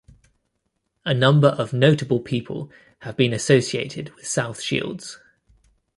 A number of notable people have been associated with South Shields.